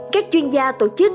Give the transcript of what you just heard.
các chuyên gia tổ chức